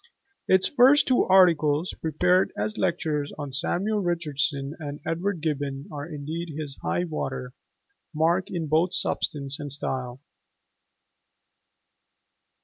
Its first two articles, prepared as lectures on Samuel Richardson and Edward Gibbon, are indeed his high water, mark in both substance and style.